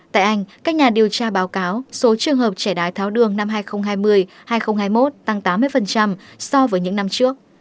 tại anh các nhà điều tra báo cáo số trường hợp trẻ đái tháo đường năm hai nghìn hai mươi hai nghìn hai mươi một tăng tám mươi so với những năm trước